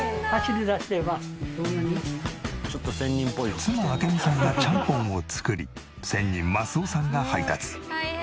妻明美さんがちゃんぽんを作り仙人益男さんが配達。